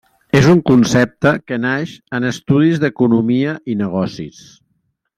És un concepte que naix en estudis d'economia i negocis.